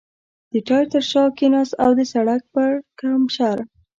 د ټایر تر شا کېناست او د سر پړکمشر.